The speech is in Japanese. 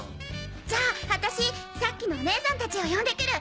じゃあ私さっきのお姉さん達を呼んで来る！